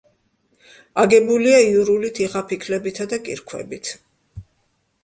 აგებულია იურული თიხაფიქლებითა და კირქვებით.